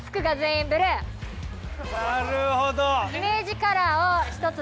なるほど。